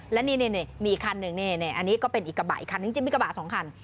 และนี่มีอีกคันหนึ่งนี่อันนี้ก็เป็นอีกกระบะอีกคันจริงมีกระบะสองคัน